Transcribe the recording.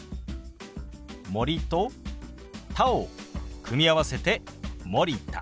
「森」と「田」を組み合わせて「森田」。